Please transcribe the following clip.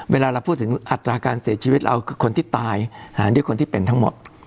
เวลาเราพูดถึงอัตราการเสียชีวิตเราคือคนที่ตายหารด้วยคนที่เป็นทั้งหมด